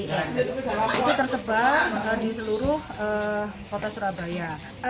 ini tersebar di seluruh kota surabaya